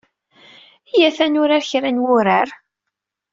Yyat ad nurar kra n wurar.